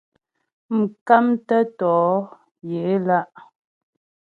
Mkámtə́ tɔ̌ yaə̌ ě lá' a.